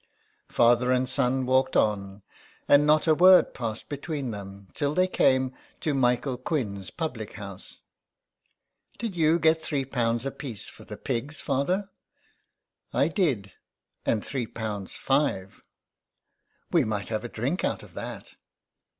Father and son walked on, and not a word passed between them till they came to Michael Quinn's public house. " Did you get three pounds apiece for the pigs, father ?"" I did, and three pounds five." *' We might have a drink out of that."